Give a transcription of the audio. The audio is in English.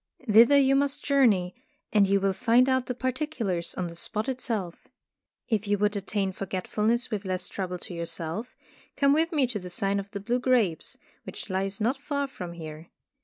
Thither you must journey, and you will find out the particulars on the spot itself. If you would attain forgetfulness with less trouble to yourself, come with me to the Sign of the Blue Grapes, which lies not far from here.